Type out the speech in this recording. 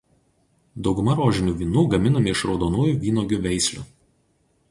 Dauguma rožinių vynų gaminami iš raudonųjų vynuogių veislių.